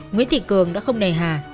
nguyễn thị cường đã không nề hà